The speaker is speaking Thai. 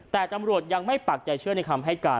แต่ตำรวจยังไม่ปักใจเชื่อในคำให้การ